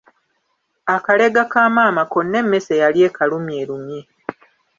Akaleega ka maama konna emmese yali ekalumyerumye.